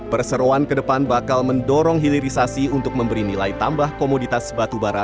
perseroan ke depan bakal mendorong hilirisasi untuk memberi nilai tambah komoditas batubara